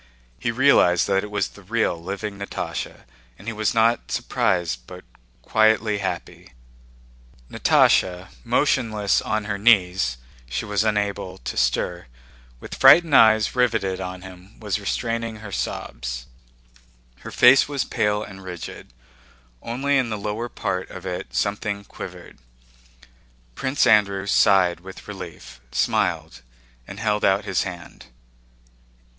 He realized that it was the real living Natásha, and he was not surprised but quietly happy. Natásha, motionless on her knees (she was unable to stir), with frightened eyes riveted on him, was restraining her sobs. Her face was pale and rigid. Only in the lower part of it something quivered. Prince Andrew sighed with relief, smiled, and held out his hand.